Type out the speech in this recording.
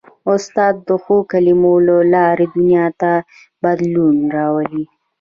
استاد د ښو کلمو له لارې دنیا ته بدلون راولي.